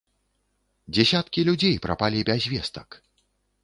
Дзесяткі людзей прапалі без вестак.